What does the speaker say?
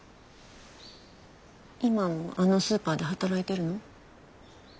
今もあのスーパーで働いてるの？